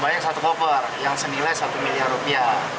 baiknya ke depannya akan seperti apa